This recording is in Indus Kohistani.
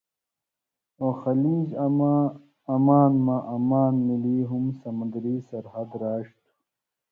اُو خلیج عمان مہ عمان ملی ہُم سمندری سرحد راڇھیۡ تُھو،